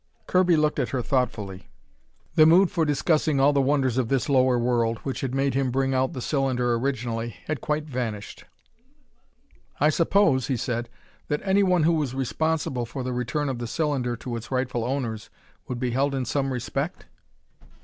Kirby looked at her thoughtfully. The mood for discussing all the wonders of this lower world, which had made him bring out the cylinder originally, had quite vanished. "I suppose," he said, "that anyone who was responsible for the return of the cylinder to its rightful owners, would be held in some respect?"